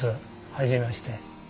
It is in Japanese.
初めまして。